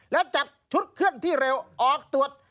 และจัดชุดเคลื่อนที่เร็วออกตรวจ